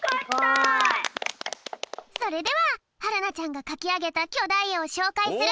それでははるなちゃんがかきあげたきょだいえをしょうかいするぴょん。